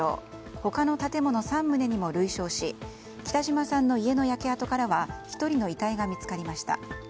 他の建物３棟にも類焼し北嶌さんの家の焼け跡からは１人の遺体が見つかりました。